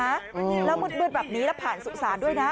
แล้วมืดแบบนี้แล้วผ่านสุสานด้วยนะ